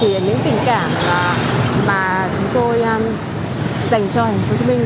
thì những tình cảm mà chúng tôi dành cho thành phố hồ chí minh